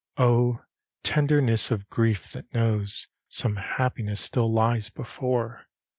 Oh, tenderness of grief that knows Some happiness still lies before!